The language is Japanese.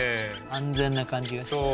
安全な感じがして。